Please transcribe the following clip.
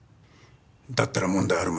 だったら問題あるまい。